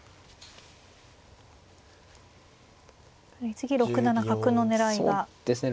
次６七角の狙いがありますよね。